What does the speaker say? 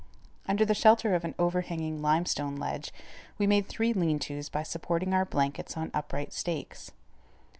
Under the shelter of an overhanging limestone ledge we made three lean tos by supporting our blankets on upright stakes.